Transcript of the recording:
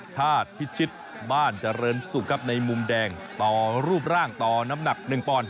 พิชิตบ้านเจริญสุขครับในมุมแดงต่อรูปร่างต่อน้ำหนัก๑ปอนด